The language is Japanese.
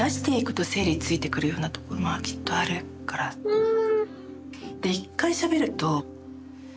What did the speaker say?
うん。